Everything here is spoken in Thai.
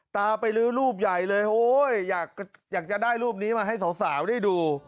ตาไปลื้อรูปใหญ่เลยโอ้ยอยากจะได้รูปนี้มาให้สาวได้ดู